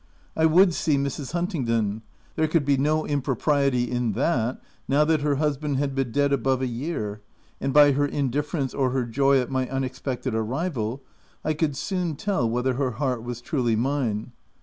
I would see Mrs. Huntingdon — there could be no impropriety in that now that her husband had been dead above a year — and by her indif ference or her joy at my unexpected arrival, I could soon tell whether her heart was truly mine.